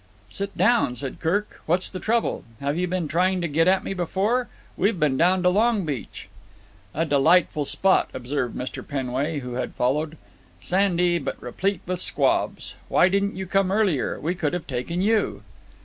"Sit down," said Kirk. "What's the trouble? Have you been trying to get at me before? We've been down to Long Beach." "A delightful spot," observed Mr. Penway, who had followed. "Sandy, but replete with squabs. Why didn't you come earlier? We could have taken you."